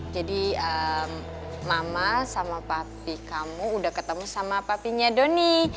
jadi mama sama papi kamu udah ketemu sama papinya donny